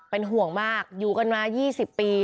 เป็นห่วงมากอยู่กันมา๒๐ปี